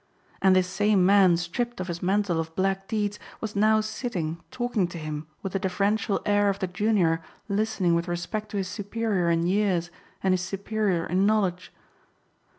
And this same man stripped of his mantle of black deeds was now sitting talking to him with the deferential air of the junior listening with respect to his superior in years and his superior in knowledge.